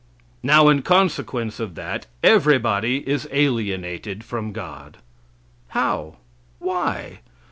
Now, in consequence of that, everybody is alienated from God. How? Why?